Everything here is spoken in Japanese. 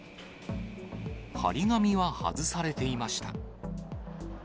貼り紙は外されていました。